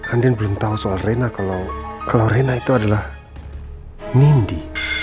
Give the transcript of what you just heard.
andin belum tahu soal rena kalau clorena itu adalah nindi